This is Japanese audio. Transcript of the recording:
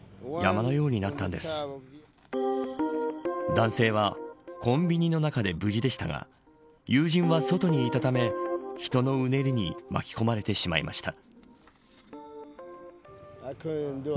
男性はコンビニの中で無事でしたが友人は、外にいたため人のうねりに巻き込まれてしまいました。